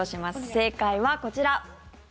正解はこちら。